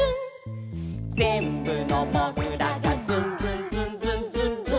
「ぜんぶのもぐらが」「ズンズンズンズンズンズン」